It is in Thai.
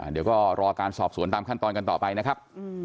เดี๋ยวก็รอการสอบสวนตามขั้นตอนกันต่อไปนะครับ